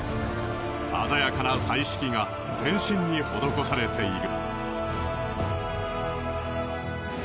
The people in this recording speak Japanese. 鮮やかな彩色が全身に施されている。